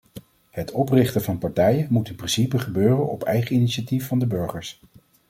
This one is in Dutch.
Het oprichten van partijen moet in principe gebeuren op eigen initiatief van de burgers.